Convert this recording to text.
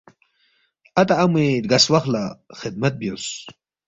اتا اموے رگاس واخلا خدمت بیوس